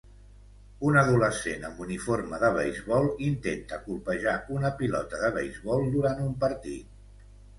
Un adolescent amb uniforme de beisbol intenta colpejar una pilota de beisbol durant un partit.